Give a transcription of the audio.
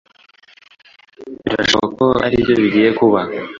Birashoboka ko aribyo bigiye kuba